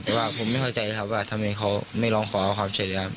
แต่ว่าผมไม่เข้าใจนะครับว่าทำไมเขาไม่ร้องขอความช่วยเหลือครับ